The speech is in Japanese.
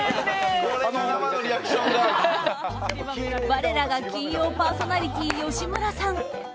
我らが金曜パーソナリティー吉村さん。